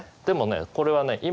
でもねこれはね